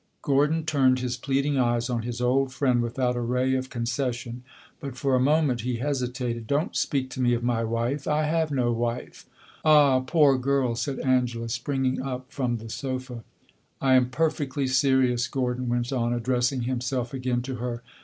Gordon turned his pleading eyes on his old friend without a ray of concession; but for a moment he hesitated. "Don't speak to me of my wife. I have no wife." "Ah, poor girl!" said Angela, springing up from the sofa. "I am perfectly serious," Gordon went on, addressing himself again to her.